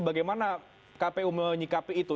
bagaimana kpu menyikapi itu